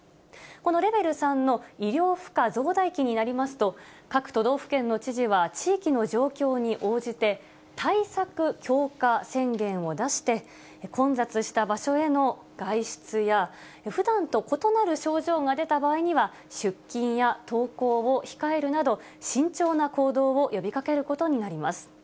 このレベル３の医療負荷増大期になりますと、各都道府県の知事は地域の状況に応じて、対策強化宣言を出して、混雑した場所への外出や、ふだんと異なる症状が出た場合には、出勤や登校を控えるなど、慎重な行動を呼びかけることになります。